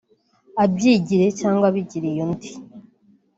abyigiriye cyangwa abigiriye undi